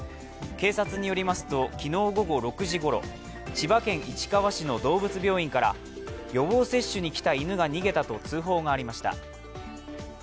警察によりますと、昨日午後６時ごろ、千葉県市川市の動物病院から予防接種に来た犬が逃げたと通報がありました。